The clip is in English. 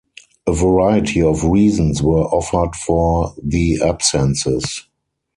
A variety of reasons were offered for the absences.